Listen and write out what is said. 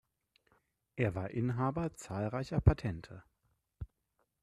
Er war Inhaber zahlreicher Patente.